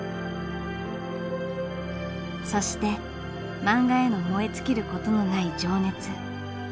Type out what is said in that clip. そして漫画への燃え尽きる事のない情熱。